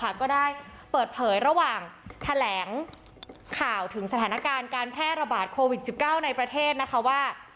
ก็ได้เปิดเผยระหว่างแถลงข่าวถึงสถานการณ์การแพร่ระบาดโควิด๑๙ในประเทศนะคะว่า